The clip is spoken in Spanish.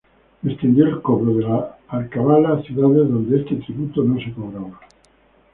Extendió el cobro de la alcabala a ciudades donde este tributo no se cobraba.